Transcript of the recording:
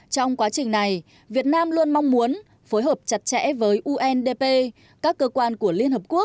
trong quá trình này việt nam luôn mong muốn phối hợp chặt chẽ với undp